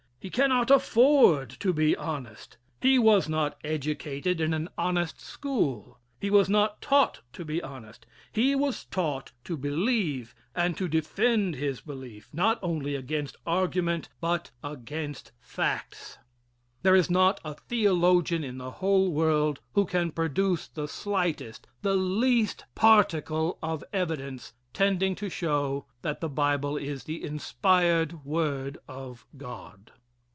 He cannot afford to be honest. He was not educated in an honest school. He was not taught to be honest. He was taught to believe and to defend his belief, not only against argument but against facts. There is not a theologian in the whole world who can produce the slightest, the least particle of evidence tending to show that the Bible is the inspired word of God.